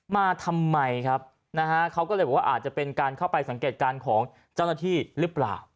มาทำไมครับนะฮะเขาก็เลยบอกว่าอาจจะเป็นการเข้าไปสังเกตการณ์ของเจ้าหน้าที่หรือเปล่า